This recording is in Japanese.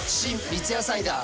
三ツ矢サイダー』